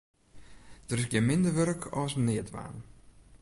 Der is gjin minder wurk as neatdwaan.